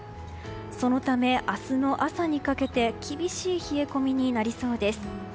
そのため、明日の朝にかけて厳しい冷え込みになりそうです。